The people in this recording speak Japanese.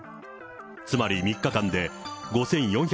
つまり３日間で５４００